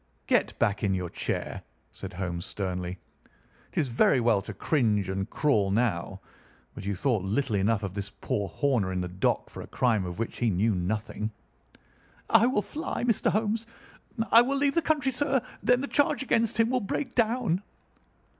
"Get back into your chair!" said Holmes sternly. "It is very well to cringe and crawl now, but you thought little enough of this poor Horner in the dock for a crime of which he knew nothing." "I will fly, Mr. Holmes. I will leave the country, sir. Then the charge against him will break down."